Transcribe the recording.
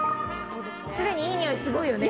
すでにいいにおいがすごいよね。